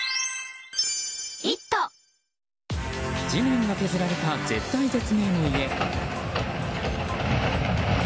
地面が削られた絶体絶命の家。